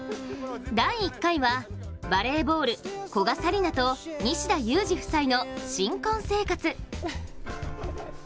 第１回はバレーボール、古賀紗理那と西田有志夫妻の新婚生活。